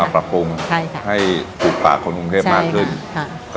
ปรับปรุงใช่ค่ะให้ถูกปากคนกรุงเทพมากขึ้นค่ะ